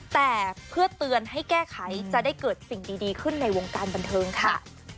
แต่เพื่อเตือนให้แก้ไขจะได้เกิดสิ่งดีขึ้นในวงการบันเทิงค่ะ